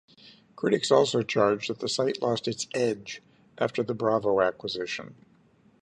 Critics also charged that the site lost its "edge" after the Bravo acquisition.